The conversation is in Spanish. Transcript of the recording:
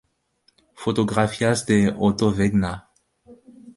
Fotografías de Otto Wegener